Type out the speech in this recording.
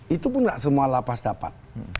itu pun tidak semua lapas dapat